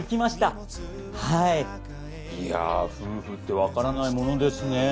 いや夫婦ってわからないものですね。